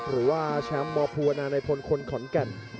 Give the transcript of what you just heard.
หรือว่าแชมป์มภูวนาในพลคนขอนแก่น